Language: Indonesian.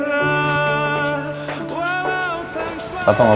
walau tanpa apa apa